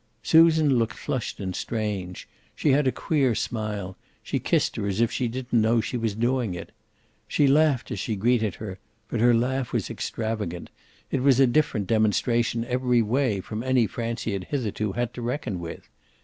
Susan looked flushed and strange; she had a queer smile; she kissed her as if she didn't know she was doing it. She laughed as she greeted her, but her laugh was extravagant; it was a different demonstration every way from any Francie had hitherto had to reckon with.